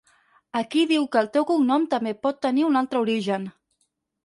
Aquí diu que el teu cognom també pot tenir un altre origen.